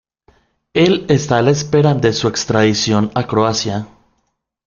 Él está a la espera de su extradición a Croacia.